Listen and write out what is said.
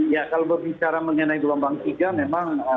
ya kalau berbicara mengenai gelombang tiga memang